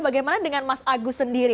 bagaimana dengan mas agus sendiri